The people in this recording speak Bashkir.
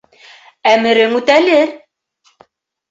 — Әмерең үтәлер!